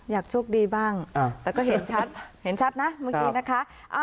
อยากโชคดีบ้างแต่ก็เห็นชัดเห็นชัดนะเมื่อกี้นะคะ